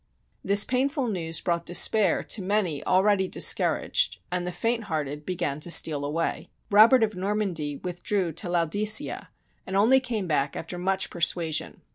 THE BOOK OF FAMOUS SIEGES This painful news brought despair to many al ready discouraged, and the faint hearted began to steal away. Robert of Normandy withdrew to Lao dicea, and only came back after much persuasion.